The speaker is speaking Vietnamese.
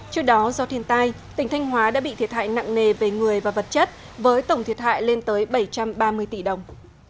trước đó do thiên tai tỉnh thanh hóa đã bị thiệt hại nặng nề về người và vật chất với tổng thiệt hại lên tới bảy trăm ba mươi tỷ đồng